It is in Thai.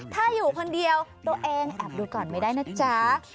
ถ้าอยู่คนเดียวตัวเองแอบดูก่อนไม่ได้นะจ๊ะ